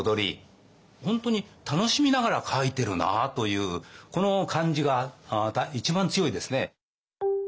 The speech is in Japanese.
本当に楽しみながら描いてるなというこの感じが一番強いですね。